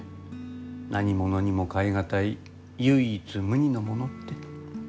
何物にも代え難い唯一無二のものって。